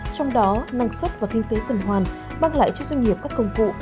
trong đó năng suất và kinh tế tuần hoàn mang lại cho doanh nghiệp các công cụ